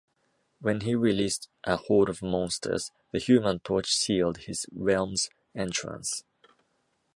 When he released a horde of monsters the Human Torch sealed his realm's entrance.